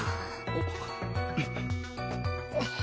あっ！